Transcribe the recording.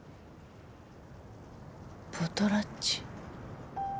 ポトラッチ。